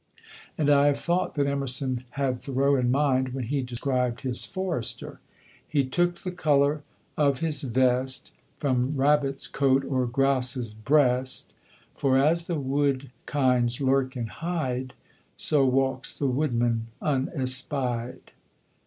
And I have thought that Emerson had Thoreau in mind when he described his "Forester": "He took the color of his vest From rabbit's coat or grouse's breast; For as the wood kinds lurk and hide, So walks the woodman unespied."